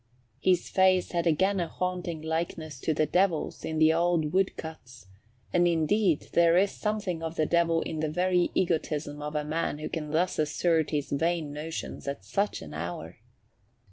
His face had again a haunting likeness to the devils in the old wood cuts; and indeed there is something of the devil in the very egotism of a man who can thus assert his vain notions at such an hour.